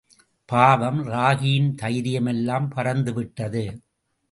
பாவம், ராகியின் தைரியமெல்லாம் பறந்துவிட்டது.